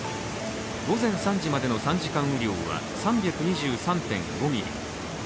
午前３時までの３時間雨量は３２３．５ミリ。